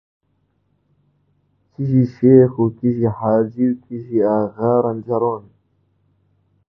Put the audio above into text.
کیژی شێخ و کیژی حاجی و کیژی ئاغا ڕەنجەڕۆن